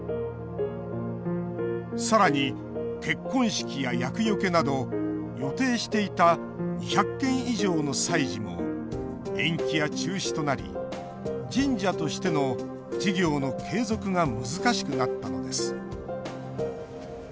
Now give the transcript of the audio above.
さらに、結婚式や厄よけなど予定していた２００件以上の祭事も延期や中止となり神社としての事業の継続が難しくなったのです。